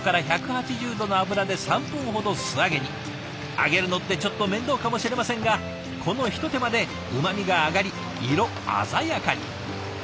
揚げるのってちょっと面倒かもしれませんがこの一手間でうまみが上がり色鮮やかに！